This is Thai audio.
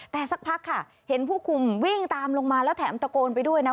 แต่สักพักค่ะเห็นผู้คุมวิ่งตามลงมาแล้วแถมตะโกนไปด้วยนะ